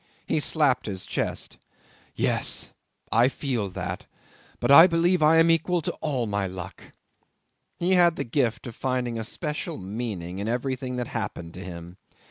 He slapped his chest. "Yes! I feel that, but I believe I am equal to all my luck!" He had the gift of finding a special meaning in everything that happened to him.